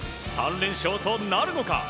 ３連勝となるのか。